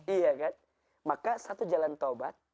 iya kan maka satu jalan taubat